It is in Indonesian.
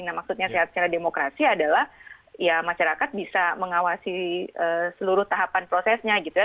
nah maksudnya sehat secara demokrasi adalah ya masyarakat bisa mengawasi seluruh tahapan prosesnya gitu ya